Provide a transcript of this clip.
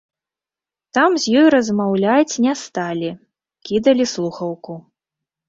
Там з ёй размаўляць не сталі, кідалі слухаўку.